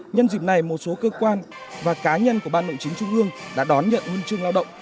nhân dịp này một số cơ quan và cá nhân của ban nội chính trung ương đã đón nhận huân chương lao động